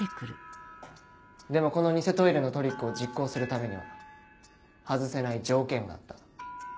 でもこの偽トイレのトリックを実行するためには外せない条件があった。